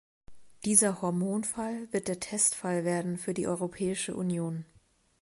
Dieser Hormonfall wird der Testfall werden für die Europäische Union.